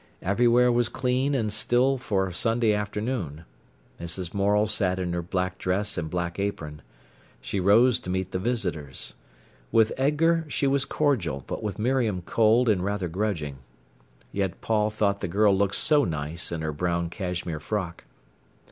Everywhere was clean and still for Sunday afternoon. Mrs. Morel sat in her black dress and black apron. She rose to meet the visitors. With Edgar she was cordial, but with Miriam cold and rather grudging. Yet Paul thought the girl looked so nice in her brown cashmere frock.